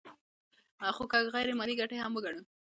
خو که غیر مالي ګټې هم وګڼو